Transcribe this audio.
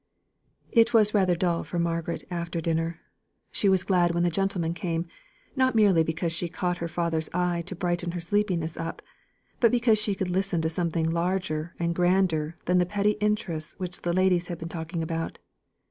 It was rather dull for Margaret after dinner. She was glad when the gentlemen came, not merely because she caught her father's eye to brighten her sleepiness up; but because she could listen to something larger and grander than the petty interests which the ladies had been talking about.